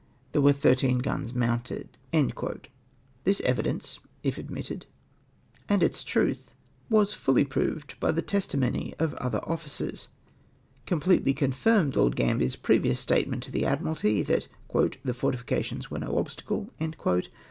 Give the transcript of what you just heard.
There were thirteen guns mounted." (Jlinutes, p. 58.) This evidence, if admitted, and its truth was fully proved by the testimony of other officers, completely confirmed Lord Gambier's previous statement to the Admiralty, that " the fortifications icere no obstacle.''